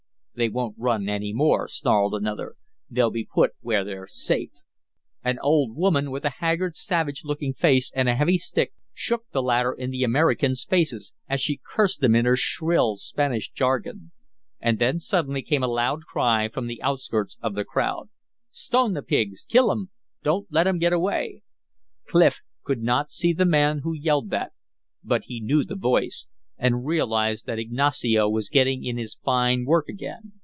"They won't run any more," snarled another. "They'll be put where they're safe." An old woman with a haggard, savage looking face and a heavy stick shook the latter in the Americans' faces, as she cursed them in her shrill, Spanish jargon. And then suddenly came a loud cry from the outskirts of the crowd. "Stone the pigs! Kill 'em! Don't let them get away!" Clif could not see the man who yelled that, but he knew the voice, and realized that Ignacio was getting in his fine work again.